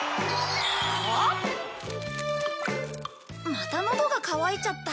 またのどが渇いちゃった。